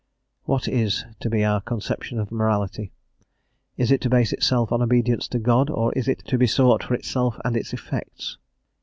"What is to be our conception of morality, is it to base itself on obedience to God, or is it to be sought for itself and its effects?"